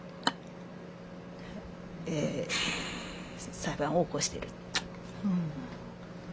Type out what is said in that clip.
裁判を起こしてる。